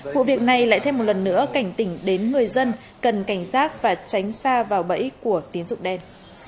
vụ việc này lại thêm một lần nữa cảnh tỉnh đến người dân cần cảnh giác và tránh xa vào bẫy của tiến dụng đen